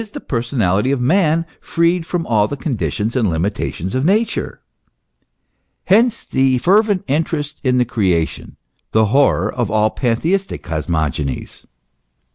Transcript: F 3 106 THE ESSENCE OF CHRISTIANITY. personality of man freed from all the conditions and limita tions of Nature. Hence the fervent interest in the Creation, the horror of all pantheistic cosmogonies.